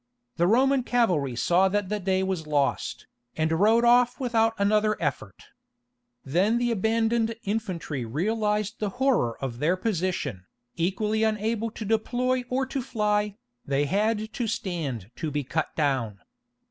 The Roman cavalry saw that the day was lost, and rode off without another effort. Then the abandoned infantry realized the horror of their position: equally unable to deploy or to fly, they had to stand to be cut down.